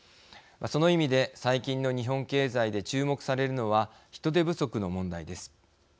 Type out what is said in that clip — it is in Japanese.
その意味で最近の日本経済で注目されるのは人手不足の問題です。